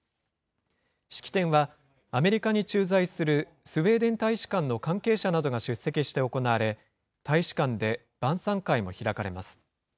式典はアメリカに駐在するスウェーデン大使館の関係者などが出席して行われ、大使館で晩さん会も開かれます。